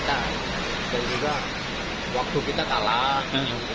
dan juga waktu kita talak